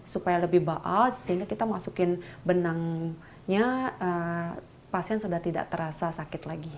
supaya lebih baas sehingga kita masukin benangnya pasien sudah tidak terasa sakit lagi